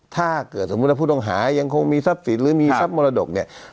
ถ้าเกิดสมมุติว่าผู้ต้องหายังคงมีทรัพย์สินหรือมีทรัพย์มรดกเนี่ย